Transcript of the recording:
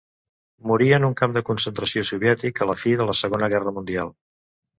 Morí en un camp de concentració soviètic a la fi de la Segona Guerra Mundial.